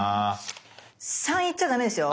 ３行っちゃダメですよ！